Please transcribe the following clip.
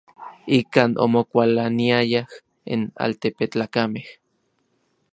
Ikan omokualaniayaj n altepetlakamej.